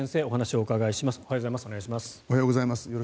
おはようございます。